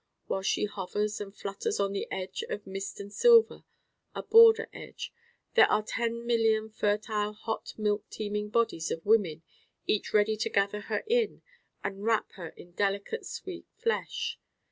While she hovers and flutters on the edge of Mist and Silver a border edge there are ten million fertile hot milk teeming bodies of women each ready to gather her in and wrap her in delicate sweet flesh.